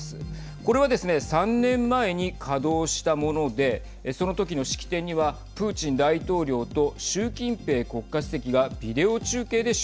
これはですね、３年前に稼働したものでその時の式典にはプーチン大統領と習近平国家主席がはい。